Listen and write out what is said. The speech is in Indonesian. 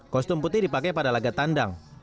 kostum putih dipakai pada laga tandang